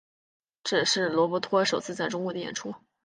这也是罗伯托首次在中国的演出。